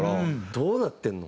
どうなってるの？